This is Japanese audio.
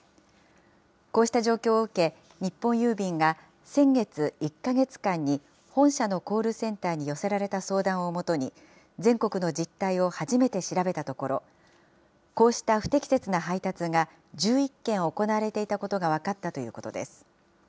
こうした状況を受け、日本郵便が、先月１か月間に本社のコールセンターに寄せられた相談を基に、全国の実態を初めて調べたところ、こうした不適切な配達が、１１件行われていたことが分かったということです。